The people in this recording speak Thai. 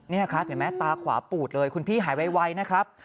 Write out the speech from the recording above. นี่ครับเห็นไหมตาขวาปูดเลยคุณพี่หายไวนะครับ